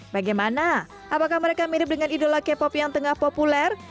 bagaimana apakah mereka mirip dengan idola k pop yang tengah populer